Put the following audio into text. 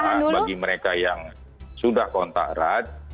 jadi bagi mereka yang sudah kontak erat